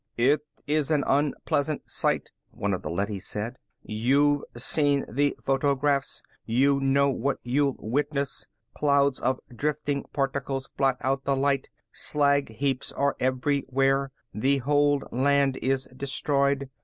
"It is an unpleasant sight," one of the leadys said. "You've seen the photographs; you know what you'll witness. Clouds of drifting particles blot out the light, slag heaps are everywhere, the whole land is destroyed.